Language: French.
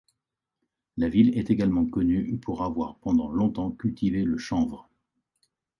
La ville est également connue pour avoir pendant longtemps cultivé le chanvre.